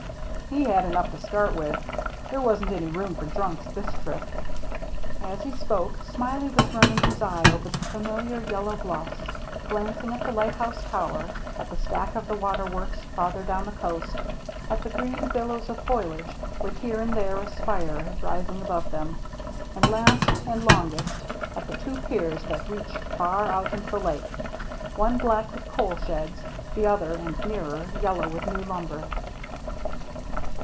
"He had enough to start with. There wasn't any room for drunks this trip." As he spoke. Smiley was running his eye over the familiar yellow bluffe, glancing at the lighthouse tower, at the stack of the water works farther down the coast, at the green billows of foliage with here and there a spire rising above them, and, last and longest, at the two piers that reached far out into the Lake, — one black with coal sheds, the other and nearer, yellow with new lumber.